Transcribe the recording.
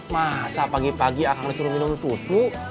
masa pagi pagi akan disuruh minum susu